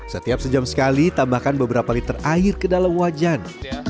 setiap sejam sekali tambahkan beberapa liter air ke dalam wajan